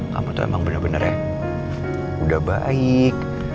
kamu tuh emang bener bener ya udah baik